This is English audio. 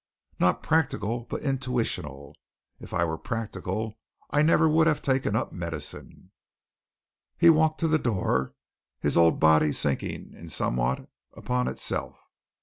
"Not practical, but intuitional. If I were practical, I would never have taken up medicine." He walked to the door, his old body sinking in somewhat upon itself.